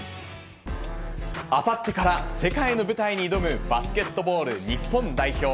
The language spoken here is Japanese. あさってから世界の舞台に挑むバスケットボール日本代表。